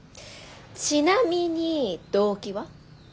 ちなみに動機は？